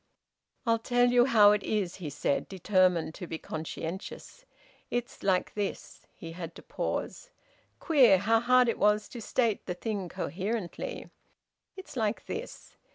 "I'll tell you how it is," he said, determined to be conscientious. "It's like this " He had to pause. Queer, how hard it was to state the thing coherently! "It's like this.